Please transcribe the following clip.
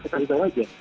saya tahu saja